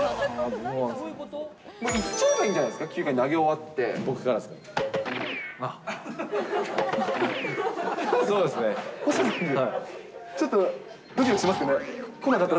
もういっちゃえばいいんじゃないですか、９回投げ終わって、こっちから。